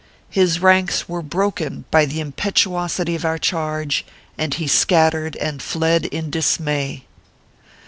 His ranks were broken by the impetuosity of our charge, and he scattered and fled in dismay.